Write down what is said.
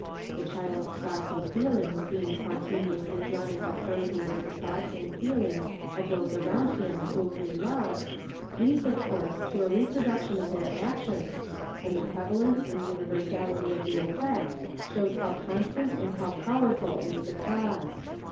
The child's thoughts and feelings being spontaneously drawn into harmony with the thoughts and feelings of those around him whom he loves, leads, of course, to a reproduction of their actions, and the prevalence and universality of the effect shows how constant and how powerful is the cause.